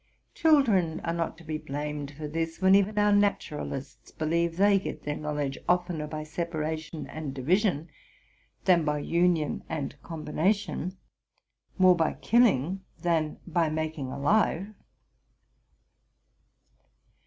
Chil dren are not to be blamed for this, when even our naturalists believe they get their knowledge oftener by separation and division than by union and combination, — more by killing than by making alive.